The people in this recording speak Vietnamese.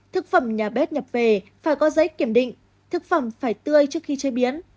thực phẩm nhà bếp nhập về phải có giấy kiểm định thức phẩm phải tươi trước khi chế biến